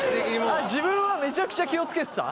あっ自分はめちゃくちゃ気を付けてた？